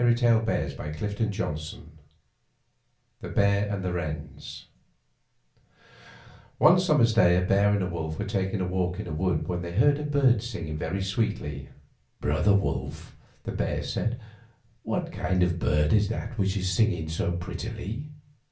THE BEAR AND THE WRENS THE BEAR AND THE WRENS O NE summer's day a bear and a wolf were taking a walk in a wood when they heard a bird singing very sweetly. ''Bro ther Wolf," the bear said, ''what kind of a bird is that which is singing so pret tily?"